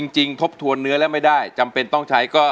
ทบทวนเนื้อแล้วไม่ได้จำเป็นต้องใช้ก็